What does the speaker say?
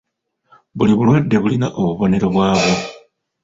Buli bulwadde bulina obubonero bwabwo.